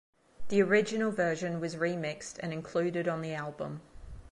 The original version was remixed and included on the album.